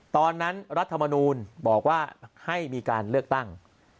ตอนนั้นรัฐธรรมนูลบอกว่าให้มีการเลือกตั้ง